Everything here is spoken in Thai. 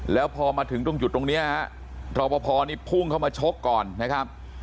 แล้วพอมาถึงตรงจุดตรงนี้ฮะรอปภนี่พุ่งเข้ามาชกก่อนนะครับ